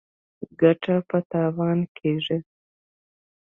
ګټه په تاوان کېږي.